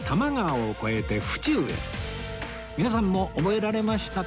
皆さんも覚えられましたか？